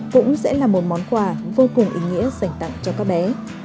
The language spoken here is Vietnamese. cũng sẽ là một món quà vô cùng ý nghĩa dành tặng cho các bé